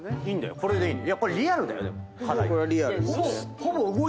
これリアルだよでもかなり。